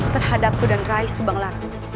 terhadapku dan rai subanglar